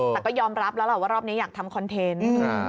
แต่ก็ยอมรับแล้วแหละว่ารอบนี้อยากทำคอนเทนต์